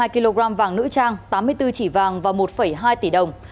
hai kg vàng nữ trang tám mươi bốn chỉ vàng và một hai tỷ đồng